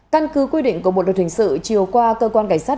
căn cứ quy định của một đợt hình sự chiều qua cơ quan cảnh sát